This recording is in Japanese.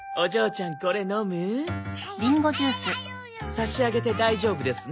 差し上げて大丈夫ですね？